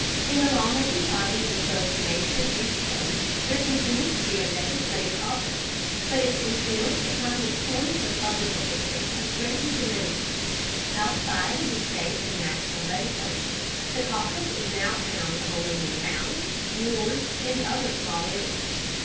In the lawmaking bodies of both nation and states there continues to be a legislative caucus, but its influence upon the choice of public officials has greatly diminished. Outside of the state and National legislatures the caucus is now found only in towns, wards, and other small areas.